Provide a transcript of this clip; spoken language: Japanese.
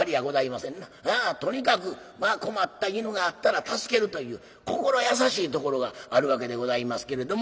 とにかくまあ困った犬があったら助けるという心優しいところがあるわけでございますけれども。